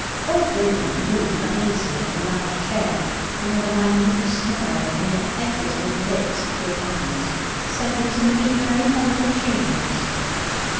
Old William moved uneasily in the large chair, and with a minute smile on the mere edge of his lips, for good manners, said he was indeed very fond of tunes.